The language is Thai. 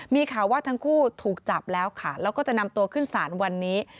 มีข่าวว่าทั้งคู่ถูกจับแล้วค่ะแล้วก็จะนำตัวขึ้นศาลวันนี้